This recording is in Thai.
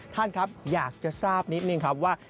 ท่านครับอยากจะทราบนิดนึงครับว่า